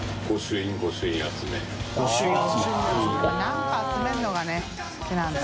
何か集めるのがね好きなんだ。